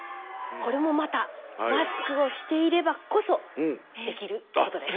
これもまたマスクをしていればこそできることです。